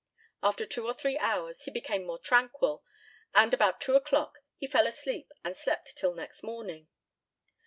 After two or three hours he became more tranquil, and about 2 o'clock he fell asleep and slept till next morning.